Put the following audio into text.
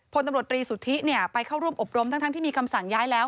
พลตำรวจรีสุทธิไปเข้าร่วมอบรมทั้งที่มีคำสั่งย้ายแล้ว